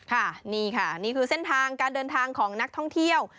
ค่ะนี่ค่ะนี่คือเส้นทางการเดินทางของนักท่องเที่ยว